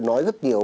nói rất nhiều